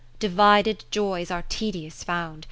20 v Divided joys are tedious found.